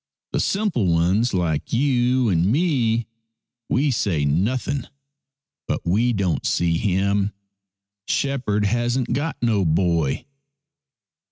The simple ones like you and me, we say nothing, but we don't see him. Shepherd hasn't got no boy."